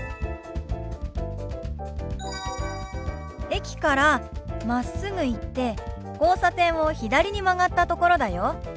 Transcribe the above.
駅からまっすぐ行って交差点を左に曲がったところだよ。